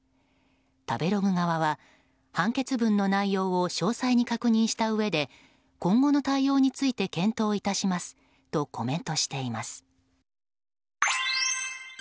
食べログ側は、判決文の内容を詳細に確認したうえで今後の対応について検討致しますとコメントしています。